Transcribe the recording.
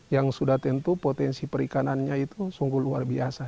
yang sudah tentu potensi perikanannya itu sungguh luar biasa